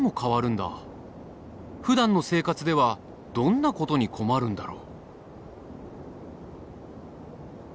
ふだんの生活ではどんなことに困るんだろう？